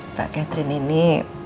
mbak ketrin ini